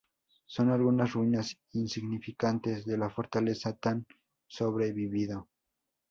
Sólo algunas ruinas insignificantes de la fortaleza han sobrevivido.